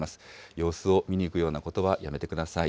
様子を見に行くようなことはやめてください。